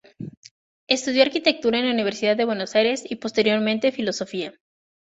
Estudió arquitectura en la Universidad de Buenos Aires y posteriormente filosofía.